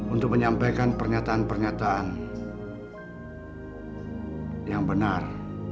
untuk menyampaikan pernyataan pernyataan yang benar